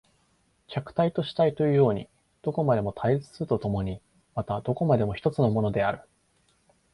客体と主体というようにどこまでも対立すると共にまたどこまでも一つのものである。